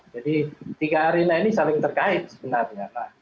jadi tiga arena ini saling terkait sebenarnya